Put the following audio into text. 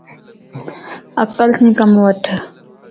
عقل سين ڪم وٺ